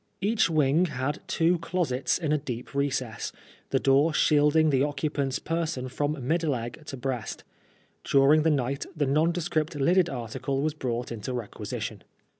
Each wing had two closets in a deep recess, the door shielding the occupant's person from mid leg to breast. During the night the nondescript lidded article was brought into requisition.